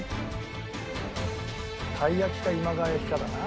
たい焼きか今川焼きかだな。